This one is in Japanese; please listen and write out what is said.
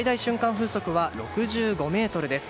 風速は６５メートルです。